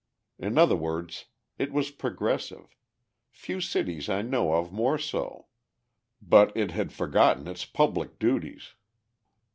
In other words, it was progressive few cities I know of more so but it had forgotten its public duties.